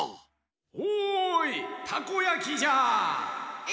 おいたこやきじゃ！え？